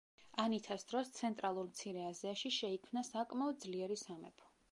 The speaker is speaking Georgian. ანითას დროს ცენტრალურ მცირე აზიაში შეიქმნა საკმაოდ ძლიერი სამეფო.